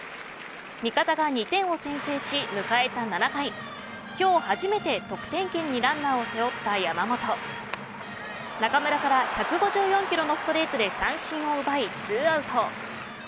味方が２点を先制し迎えた７回今日初めて得点圏にランナーを背負った山本中村から１５４キロのストレートで三振を奪い２アウト。